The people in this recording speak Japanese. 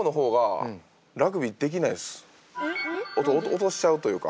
落としちゃうというか。